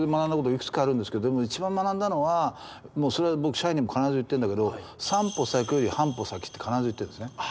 いくつかあるんですけど一番学んだのはそれ僕社員にも必ず言ってるんだけど「３歩先より半歩先」って必ず言ってるんですね。